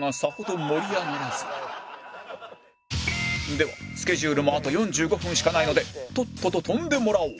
ではスケジュールもあと４５分しかないのでとっとと飛んでもらおう